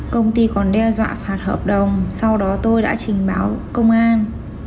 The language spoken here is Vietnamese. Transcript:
công ty còn đe dọa phạt hợp đồng sau đó tôi đã trình báo công an